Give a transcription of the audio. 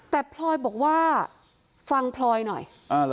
แต่พลอยบอกว่าฟังพลอยหน่อย